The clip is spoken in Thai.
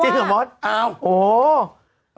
ใช่เพราะว่า